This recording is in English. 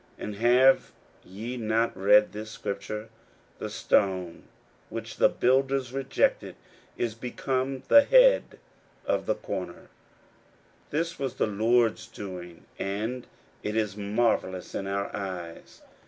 41:012:010 And have ye not read this scripture; The stone which the builders rejected is become the head of the corner: 41:012:011 This was the Lord's doing, and it is marvellous in our eyes?